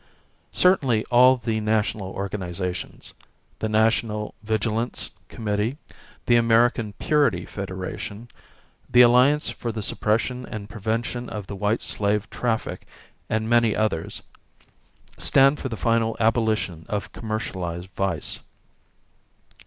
Certainly all the national organizations the National Vigilance Committee, the American Purity Federation, the Alliance for the Suppression and Prevention of the White Slave Traffic and many others stand for the final abolition of commercialized vice.